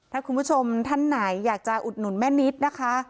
ถ้าคุณผู้ชมท่านไหนอยากจะอุดหนุนแม่นิดนะคะ